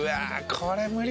これ無理！